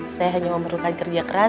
saya hanya memerlukan kerja keras